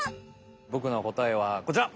ボクの答えはこちら！